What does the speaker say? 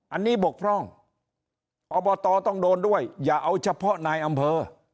อันนี้บกพร่องอบตต้องโดนด้วยอย่าเอาเฉพาะนายอำเภอ